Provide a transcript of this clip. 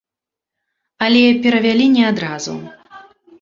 Але перавялі не адразу.